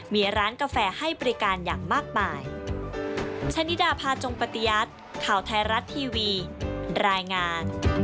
มีร้านกาแฟให้บริการอย่างมากมาย